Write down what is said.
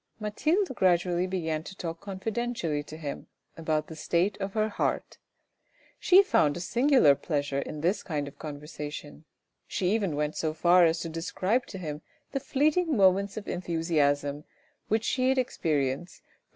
Mathilde gradually began to talk confidentially to him about the state of her heart. She found a singular pleasure in this kind of conversation, she even went so far as to describe to him the fleeting moments of enthusiasm which she had experienced for M.